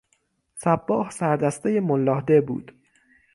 صباح سردستهی ملاحده بود.